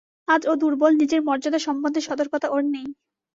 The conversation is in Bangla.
আজ ও দুর্বল, নিজের মর্যাদা সম্বন্ধে সতর্কতা ওর নেই।